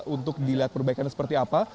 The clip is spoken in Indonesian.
untuk dilihat perbaikannya seperti apa